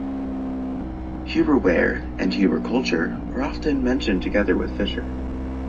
Huber ware (and Huber culture) are often mentioned together with Fisher.